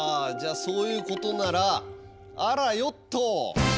じゃあそういうことならあらよっと！